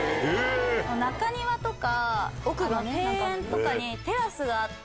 中庭とか庭園とかにテラスがあって。